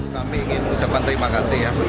kita ingin ucapkan terima kasih ya